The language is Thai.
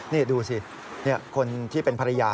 นี่ดูสิคนที่เป็นภรรยา